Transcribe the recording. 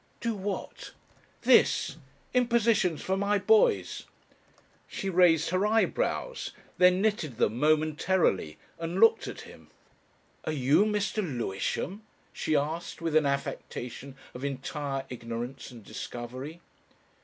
"Do what?" "This. Impositions. For my boys." She raised her eyebrows, then knitted them momentarily, and looked at him. "Are you Mr. Lewisham?" she asked with an affectation of entire ignorance and discovery.